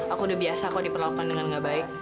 aku udah biasa kok diperlakukan dengan gak baik